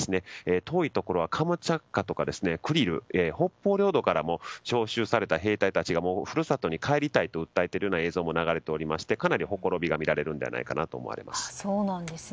遠いところはカムチャツカとかクリル、北方領土からも招集された兵隊たちが故郷に帰りたいと訴えているような映像も流れていましてかなりほころびが見られるのではないかとみられます。